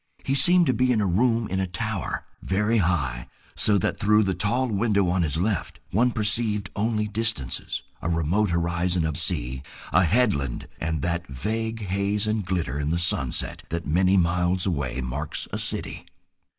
He seemed to be in a room in a tower, very high, so that through the tall window on his left one perceived only distances, a remote horizon of sea, a headland and that vague haze and glitter in the sunset that many miles away marks a city.